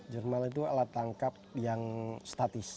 jerman itu alat tangkap yang statis